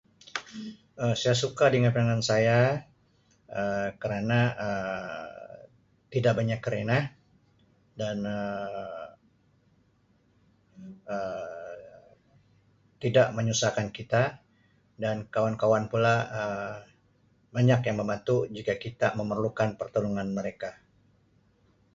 Saya suka dengan pasangan saya Um kerana tidak banyak karenah dan Um tidak menyusahkan kita dan kawan-kawan pula Um banyak yang membantu jika kita memerlukan pertolongan mereka.